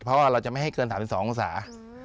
เพราะว่าเราจะไม่ให้เกิน๓๒องศา